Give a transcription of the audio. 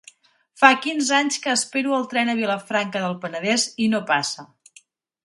Fa quinze anys que espero el tren a Vilafranca del Penedès i no passa.